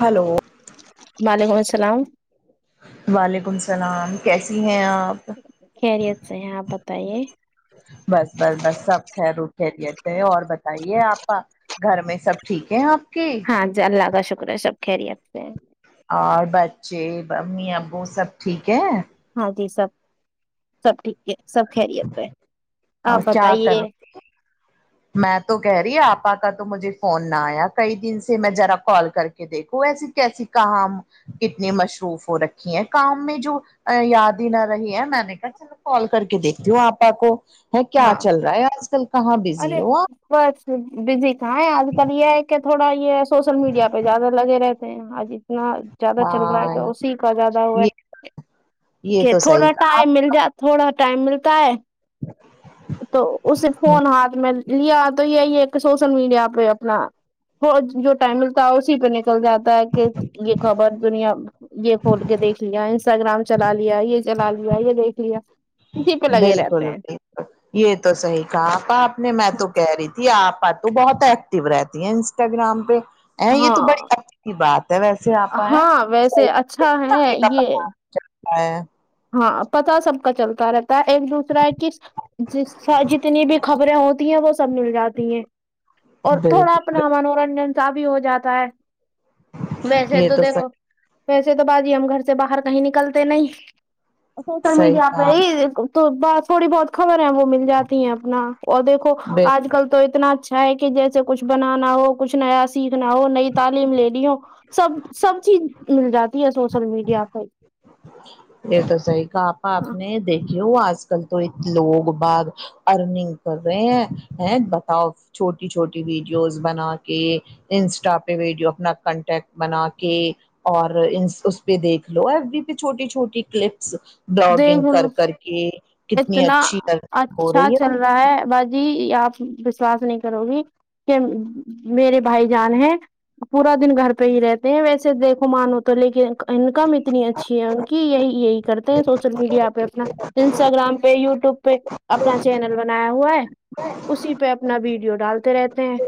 Hello وعلیکم اسلام وعلیکم اسلام کیسی ہیں آپ خیریت سے ہیں آپ بتائیے بس بس بس سب خیر و خیریت سے ہیں اور بتائیے آپا گھر میں سب ٹھیک ہے آپ کے ہاں جی اللہ کا شکر ہے سب خیریت سے ہے اور بچے امی ابو سب ٹھیک ہیں ہاں جی سب سب ٹھیک ہے سب خیریت سے اور کیا کرے میں تو کہہ رہی آپا کا تو مجھے فون نہیں آیا کئی دن سے میں ذرا کال کر کے کہ دیکھو ایسی کیسی کام کتنی مصروف ہو رکھی ہیں کام میں جو یاد ہی نہ رہی ہے میں نے کہ کال کر کے دیکھتی ہوں آپا کو کیا ہاں چل رہا ہے آج کل کہاں بزی ارے ہو آپ؟ بس بزی تھا ہے آج کل یہ کہ تھوڑا یہ سوشل میڈیا پہ زیادہ لگے رہتے آج اتنا زیادہ چل رہا ہے ہاں کیا اسی کا زیادہ ہو ہے یہ یہ کہ تو صحیح تھوڑا کہا ٹائم آپ مل جاتا تھوڑا ٹائم ملتا ہے تو اس فون ہاتھ میں لیا تو یہی ایک سوشل میڈیا پہ اپنا جو ٹائم ملتا ہے اسی چل جاتا ہے کہ یہ خبر دنیا یہ کھول کے دیکھ لیا انسٹاگرام چلا لیا یہ چلا لیا یہ دیکھ لیا اسی پہ لگے بالکل رہتے ہیں بالکل یہ تو صحیح کہا آپا آپ نے میں تو کہہ رہی تھی آپ بہت ایکٹو رہتی ہیں انسٹاگرام پہ ا یہ تو بڑی ہاں اچھی بات ہے ویسے آپ ہاں [unintelligible] ویسے صیح اچھا ہے یہ جتا ہے ہاں پتا سب کا چلتا رہ ایک دوسرا کی جتنی بھی خبریں ہوتی ہیں وہ سب مل جاتی ہیں اور تھوڑا بالکل اپنا بالکل، منورنجن سبھی ہو جاتا ہے ویسے یہ تو دیکھو صحیح ویسے تو باجی ہم گھر سے باہر کہیں نکلتے نہیں [unintelligible] صحیح کہا خبر ہے وہ مل جاتی ہیں اپنا اور دیکھو بالکل آج کل تو اتنا اچھا ہے کہ جیسے کچھ بنانا ہو کچھ نیا سیکھنا ہو نئی تعلیم لینی ہو سب سب چیز مل جاتی ہے سوشل میڈیا پ یہ تو صحیح کہا آپا آپ نے دیکھیے ہو آج کل تو لوگ بعد ارنینگ کر رہے ہیں بتاؤ ہے چھوٹی چھوٹی ویڈیوز بنا کے انسٹا پہ ویڈیو اپنا کنٹیکٹ بنا کے اور اس پہ دیکھلو ایف ڈپہ چھوٹی چھوٹی کلپس بلوکنگ دیکھ لو کر کر کے کتنی اچھی ارننگ ہو رہی ہے [unintelligible] جی آپ وشواس نہیں کرو گی کہ میرے بھائی جان ہیں پورا دن گھر پہ ہی رہتے ہیں ویسے دیکھو مانو تو لیکن انکم اتنی اچھی ہے ان کی یہی یہی کر تے سوشل میڈیا پہ اپنا انسٹاگرام پہ یوٹیوب پہ اپنا چینل بنایا ہوا ہے اسی پہ اپنا ویڈیو ڈالتے رہتے ہیں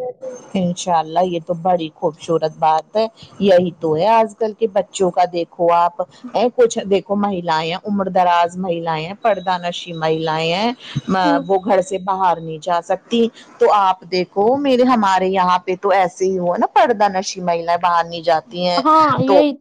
انشاء اللہ یہ تو بڑی خوبصورت بات ہے یہی تو ہے آج کل کے بچوں کا دیکھو آپ ہیں کچھ دیک مہیلاے امر دراز مہیلاے ہیں پردہ نشی مہیلایں ہیں ہ وہ گھر سے باہر نہیں جا سکتی تو آپ دیکھو میرے ہمارے یہاں پہ تو ایسے ہی ہوا نا پردہ نشی مہیلائیں باہر نہیں جاتی ہیں ہاں تو یہی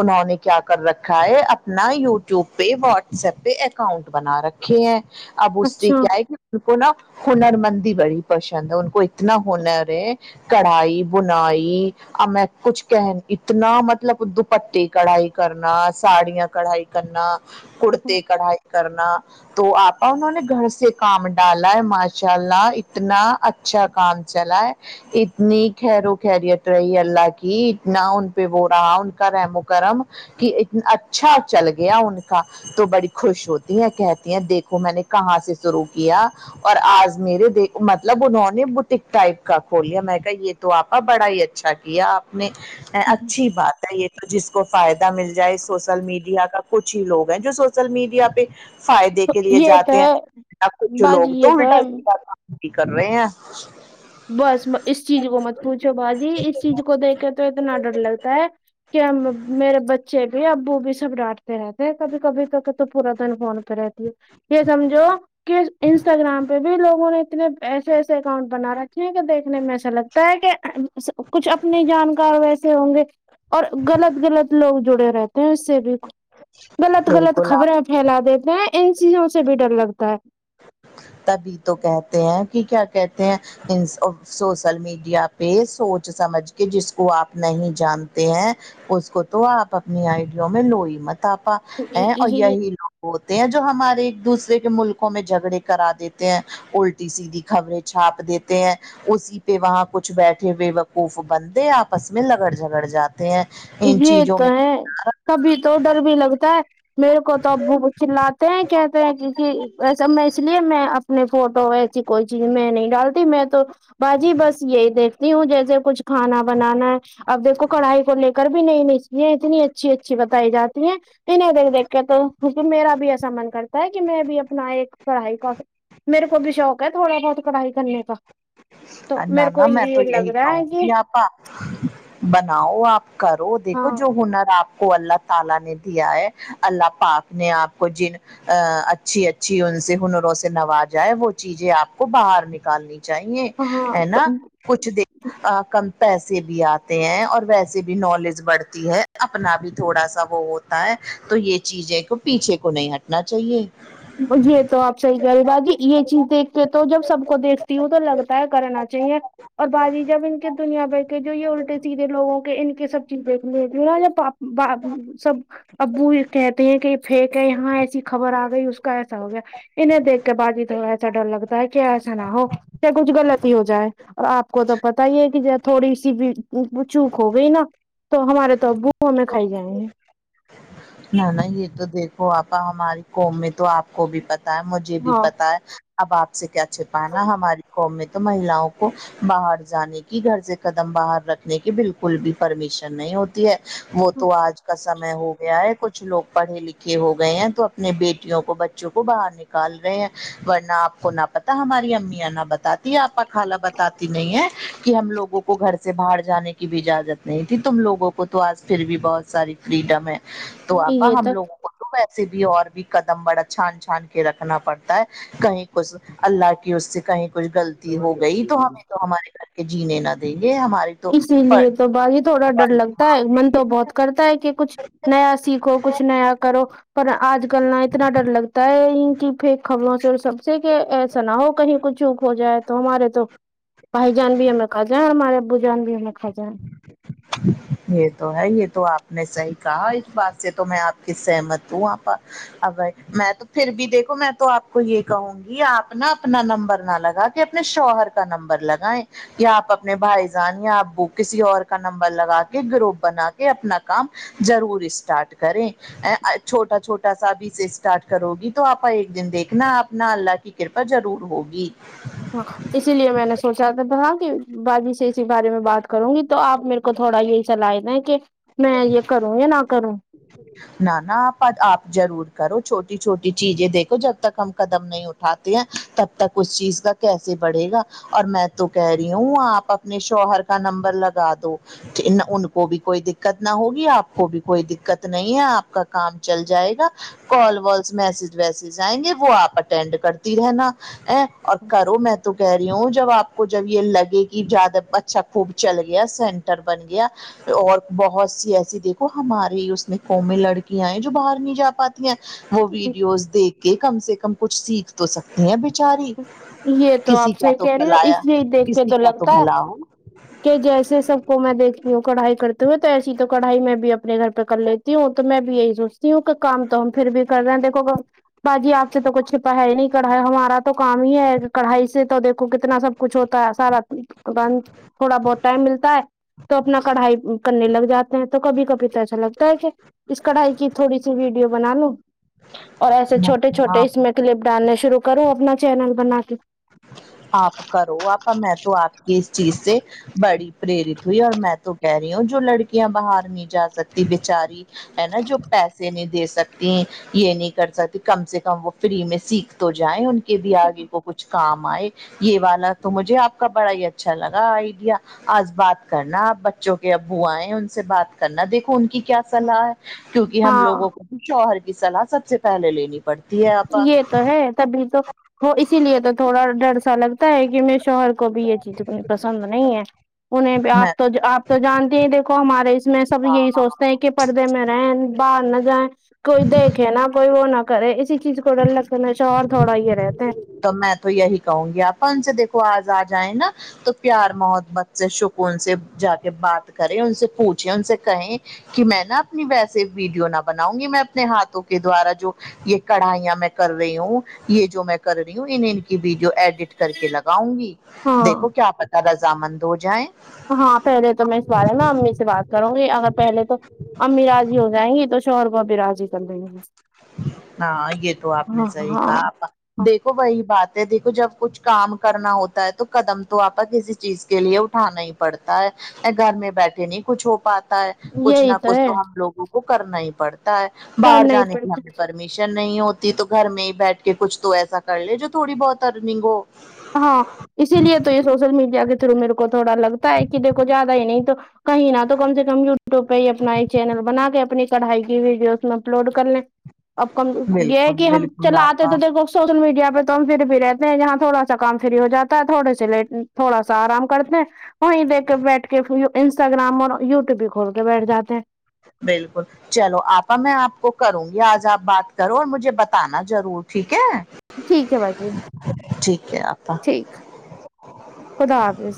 انہوں نے کیا کر رکھا ہے اپنا یو ٹیوب پہ واٹس ایپ پہ اکاؤنٹ بنا رکھا ہیں اب اس سے اچھا کیا ہے کہ ان کو نا ہنر مندی بڑی پسند ہے ان کو اتنا ہنر ہے کڑھائی بھونائی اب میں کچھ کہ اتنا مطلب دوپٹے کڑھائی کرنا ساڑیاں کڑھائی کرنا کرتے کڑھائی کرنا تو آپا انہوں نے گھر سے کام ڈالا ہے ماشاء اللہ اتنا اچھا کام چلائے اتنی خیر و خریت رہی اللہ کی اتنا ان پہ وہ رہا ان کا رحم و کرم کے اچھا چل گیا ان کا تو بڑی خوش ہوتی ہے کہتی ہیں دیکھو میں نے کہاں سے شروع کیا اور آج میرے دیک مطلب انہوں نے ک ٹائپ کا کھول لیا میں کہ یہ تو آپا بڑا ہی اچھا کیا آپ نے اچھی بات ہے یہ جس کو فائدہ مل جائے سوشل میڈیا کا کچھ ہی لوگ ہیں جو سوشل میڈیا پہ فائدے کے لیے یہ تو جاتے ہیں ہے ورنہ کچھ باجی لوگ یہ تو الٹا ہے سیدھا کام کی کر رہے ہیں بس اس چیز کو مت پوچھو باجی اس چیز کو دیکھ کے تو اتنا ڈر لگتا ہے کیا میرے بچے بھی ابو بھی سب ڈانٹتے رہتے ہیں کبھی کبھی کے تو پورا دن فون پہ رہتی ہے یہ سمجھو کہ انسٹاگرام پہ بھی لوگوں نے اتنے ایسے ایسے اکاؤنٹ بنا رکھے کیونکی دیکھنے میں ایسا لگتا ہے کہ کچھ اپنی جانکار ویسے ہوں گے اور غلط غلط لوگ جڑے رہتے ہیں اس سے بھی غلط غلط بالکل آپ خبریں پھیلا دیتے ہیں ان چیزوں سے بھی ڈر لگتا ہے تبھی تو کہتے ہیں کی کیا کہتے ہیں ان سوشل میڈیا پہ سوںچ سمجھ کے جس کو آپ نہیں جانتے ہیں اس کو تو آپ اپنی آئیڈیو میں لو ہی مت آ پا ہیں اور ہے یہی لوگ ہوتے ہیں جو ہمارے ایک دوسرے کے ملکوں میں جھگڑے کرا دیتے ہیں الٹی سیدھی خبریں چھاپ دیتے ہیں اسی پہ وہاں کچھ بیٹھے ہوئے بیوقوف بندے آپس میں لگڑ جگڑ جاتے ہیں ان چیزوں میں تبھی تو ڈر بھی لگتا ہے میرے کو تو ابو چلاتے ہیں کہتے ہیں کی میں اس لیے میں اپنے فوٹو کوئی چیز میں نہیں ڈالتی میں تو باجی بس یہی دیکھتی ہوں جیسے کچھ کھانا بنانا ہے اب دیکھو کڑھائی کو لے کے کر بھی نہیں نچتی ہیں اتنی اچھی اچھی بتائی جاتی ہیں [unintelligible] تو میرا بھی ایسا من کرتا ہے کہ میں بھی اپنا ایک پڑھائی کا میرے کو بھی شوق ہے تھوڑا بہت کڑھائی کرنے کا تو نہ میرے نہ کویہ میں بھی تو لگ یہی رہا کہوں ہے کہ گی بناؤ آپ کرو دیکھو ہاں جو ہنر آپ کو اللہ تعالی نے دیا ہے اللہ پاک نے آپ کو جن اچھی اچھی ان سے ہنروں سے نوازہ ہے وہ چیزیں آپ کو باہر نکالنی چاہیے ہاں ہے تو اب نا کچھ دیکھ کم پیسے بھی اتے ہیں اور ویسے بھی نالج بڑھتی ہے اپنا بھی تھوڑا سا وہ ہوتا ہے تو یہ چیزیں کو پیچھے کو نہیں ہٹنا چاہیے یہ تو آپ صحیح کر رہے باجی یہ چیز دیکھ کے تو جب سب کو دیکھتی ہوں تو لگتا کرنا چاہیے اور باجی جب ان کے دنیا بھر کے جو یہ الٹے سیدھے لوگوں کے ان کے سب چیز دیکھلیتی ہو نا تو سب ابو یہ کہتے ہیکہ فیک ہے یہاں ایسی خبر آ گئی اس کا ایسا ہو گیا انہیں دیکھ کے باجی تھوڑا سہ ڈر لگتا ہے کہ ایسا نہ ہو کچھ غلط ہی ہو جائے اور آپ کو تو پتا ہی ہے کہ تھوڑی سی بھی بھول چوک ہو گئی نا تو ہمارے تو ابو ہمیں کھاہی جاینگے نہ نہ یہ تو دیکھو آپا ہماری قوم میں تو آپ کو بھی پتا ہے مجھ یہ بھی ہاں پتا ہے اب آپ سے کیا چھپانا ہماری قوم میں تو مہیلؤں کو باہر جانے کی گھر سے قدم باہر رکھنے کی بالکل بھی پرمیشن نہیں ہوتی ہے وہ تو آج کا سمے ہوگا کچھ لوگ پڑھے لکھے ہو گئے ہیں تو اپنے بیٹیوں کو بچوں کو باہر نکال رہے ہیں ورنہ آپ کو نہ پتا ہماری امیاں نہ بتاتی اپا خالا بتاتی نہیں ہے کہ ہم لوگوں کو کو گھر سے باہر جانے کی بھی اجازت نہیں تھی تم لوگوں کو تو آج پھر بھی بہت ساری فریڈم ہے تو آپا یہ ہم تو لوگوں کو ویسے بھی اور بھی قدم بڑا چھان چھان کے رکھنا پڑتا ہے کہیں کچھ اللہ کی اس سے کہیں کچھ غلطی ہو گئی تو ہمیں تو ہمارے گھر کے جینے نہ دے اسی لیے تو باجی تھوڑا ڈر لگتا ہے من تو بہت کرتا ہے کہ کچھ نیا سیکھو کچھ نیا کرو پر آج کل اتنا ڈر لگتا ہے کہ پھر خبروں سے سب سے ایسا نہ ہو کہیں کچھ چوک ہو جائے تو ہمارے تو بھائی جان بھی ہمیں کھا جائے ہمارے ابو جان بھی ہمیں کھا جائے یہ تو ہے یہ تو آپ نے صحیح کہا اس بات سے تو میں آپ کی سہمت ہوں آپا ابھائی میں تو پھر بھی دیکھو میں تو آپ کو یہ کہوں گی آپ نا اپنا نمبر نہ لگا اپنے شوہر کا نمبر لگائیں یا آپ اپنے بھائی جان یا آپ ابو کسی اور کا نمبر لگا کے گروپ بنا کے اپنا کام ضرور اسٹارٹ کریں چھوٹا چھوٹا سا بھیے اسٹارٹ کرو گی تو آپ ایک دن دیکھنا اپنا اللہ کی کرپا ضرور ہوگی ہاں اسی لیے میں نے سوچا تھا بھگی بھگی سے اسی بارے میں بات کروں گی تو آپ میرے کو تھوڑا یہ ہی صلاح دے کہ میں یہ کروں یا نہ کروں نہ نہ آپا آپ ضرور کرو چھوٹی چھوٹی چیزیں دیکھو جب تک ہم قدم نہیں ہوتے اٹھاتے ہیں تب تک اس چیز کا کیسے بڑھے گا اور میں تو کہہ رہی ہوں آپ اپنے شوہر کا نمبر لگا دو ان کو بھی کوئی دکت نہ ہوگی آپ کو بھی کوئی دکت نہیں ہے آپ کا کام چل جائے گا کال وس میسج ویسج آئیں گے وہ آپ اٹینڈ کرتی رہنا اور کرو میں تو کہہ رہی ہوں جب آپ کو جب یہ لگے کہ زیادہ اچھا خوب چل گیا سینٹر بن گیا اور بہت سی ایسی دیکھو ہمارے اس قوم میں لڑکیاں ہیں جو باہر نہیں جا پاتی ہیں وہ ویڈیوز دیکھ کہ کم سے کم کچھ سیکھ تو سکتی ہیں بچاری یہ تو کسی آپ کا صحیح تو کہہ رہی ہو پلایا اس لیے دیکھ کے کسی کا تو لگتا ہے بھلا ہو کہ جیسے سب کو میں دیکھتی ہوں کڑھائی کرتے ہوئے تو ایسی تو کڑھائی میں بھی اپنے گھر پہ کر لی تی ہوں تو میں بھی یہی سوچتی ہوں کہ کام تو ہم پھر بھی کر رہے ہیں دیکھو گا باجی آپ سے تو کچھ چھپا ہے ہی نہیں کڑھ ہمارا تو کام ہی ہے کڑھائی سے تو دیکھ کو کتنا سب کچھ ہوتا ہے سارا دکان تھوڑا بہت ٹائم ملتا ہے تو اپنا کڑھائی کرنے لگ جاتے ہیں تو کبھی کبھی تو ایسا لگتا ہے کہ اس کڑھائی کی تھوڑی سی ویڈیو بنا لو اور ایسے چھوٹے چھوٹے ہو اس میں کلپ ڈالنے شروع کرو اپنا چینل بنا کے آپ کرو آپا میں تو آپ کے اس چیز سے بڑی پریرت ہوئی اور میں تو کہہ رہی ہوں جو لڑکیاں باہر نہیں جا سکتی بچاری ہے نا جو پیسے نہیں دے سکتی یہ نہیں کر سکتی کم سے کم وہ فری میں سیکھ تو جائےیں ان کے بھی آگے کو کچھ کام آئے یہ والا تو مجھے آپ کا بڑا ہی اچھا لگا آئیڈیا آج بات کرنا آپ بچوں کے ابو آئے ان سے بات کرنا دیکھو ان کی کیا صلاح کیونکہ ہم ہاں لوگوں کو بھی شوہر کی صلاح سب سے پہلے لینی پڑتی ہے اور یہ تو ہے تبھی تو وہ اسی لیے تو تھوڑا ڈر سا لگتا ہے کہ میں شوہر کو بھی یہ چیز اتنی پسند نہیں ہے انہیں میں آپ تو آپ تو جانتے ہیں دیکھو ہمارے اس میں سب یہی سوچتے ہیں کہ پردے میں رہ باہر نہ جائیں کوئی دیکھے نہا کوئی وہ نہ کرے اسی چیز کو ڈر لگتے شوہر تھوڑا یہ رہتے ہیں تو میں تو یہی کہونگی آپا ان سے دیکھو آج آ جائیں نا تو پیار محبت سے سکون سے جا کے بات کریں ان سے پوچھیں ان سے کہیں کہ میں نا اپنی ویسے ویڈیو نہ بناؤں گی میں اپنے ہاتھوں کے دوارا جو یہ کڑھائیاں میں کر رہی ہوں یہ جو میں کر رہی ہوں انہیں ان کی ویڈیو ایڈٹ کر کے لگاؤں گی ہاں دیکھو کیا پتتا رضا مند ہو جائیں ہاں پہلے تو میں اس بار نا امی سے بات کروں گی اگر پہلے تو امی راضی ہو جائیں گی تو شوہر کو ابھی راضی کر دیں گے ہاں یہ تو آپ نے ہاں صحی ہاں کہا آپا ہاں دیکھو وہی بات ہے دیکھو جب کچھ کام کرنا ہوتا ہے تو قدم تو آپکا کسی چیز کے لیے اٹھانا ہی پڑتا ہے گھر میں بیٹھے نہیں کچھ ہو پاتا ہے کچھ یہی نہ کچھ ہے تو ہم لوگوں کو کرنا ہی پڑتا ہے کر باہر نہیں پڑ [unintelligible] پرمیشن نہیں ہوتی تو گھر میں ہی بیٹھ کے کچھ تو ایسا کر لے جو تھوڑی بہت ارننگ ہو ہاں اسی لیے تو یہ سوشل میڈیا کے تھرو میرے کو تھوڑا لگتا ہے کہ دیکھو زیادہ ہی نہیں تو کہیں نہ تو کم سے کم یوٹیوب پہ ہی اپنا چینل بنا کے اپنی کڑھائی کی ویڈیو اس میں اپلوڈ کر لیں اب کم یہ ہے بالکل کہ ہم بالکل چل آتے آپا تو دیکھو سوشل میڈیا پہ تو ہم پھر بھی رہتے ہیں یہاں تھوڑا سا کام فری ہو جاتا ہے تھوڑے سے لیٹ تھوڑا سا آرام کرتے ہیں وہیں دیکھ کے بیٹھ کے انسٹاگرام اور یوٹیوب بھی کھول کے بیٹھ جاتے ہیں بالکل چلو آپا میں آپ کو کروں گی آج آپ بات کرو اور مجھے بتانا ضرور ٹھیک ہے ٹھیک ہے باجی ٹھیک ہے آپا ٹھیک خدا حافظ